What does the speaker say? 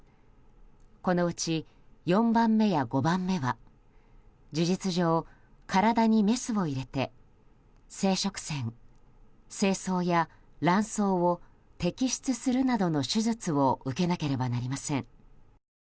このうち４番目や５番目は事実上、体にメスを入れて生殖腺、精巣や卵巣を摘出するなどの手術を受けなければなりません。